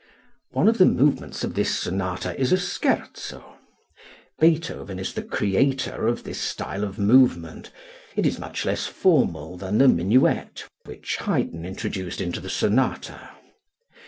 One of the movements of this sonata is a scherzo. Beethoven is the creator of this style of movement. It is much less formal than the minuet which Haydn introduced into the sonata.